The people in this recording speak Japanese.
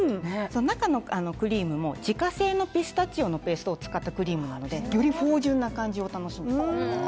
中のクリームも自家製のピスタチオのペーストを使ったクリームなのでより芳醇な感じを楽しめる。